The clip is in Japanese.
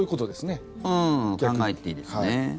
と、考えていいですね。